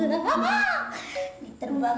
ini kagak salah be